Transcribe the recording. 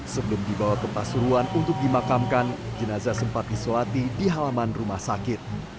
sebelum dibawa ke pasuruan untuk dimakamkan jenazah sempat disolati di halaman rumah sakit